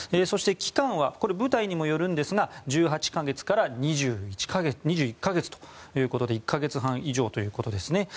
そして期間は部隊にもよるんですが１８か月から２１か月ということで１年半以上ということです。